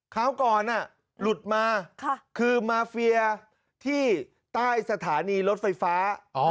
คราวก่อนหลุดมาคือมาเฟียที่ใต้สถานีรถไฟฟ้า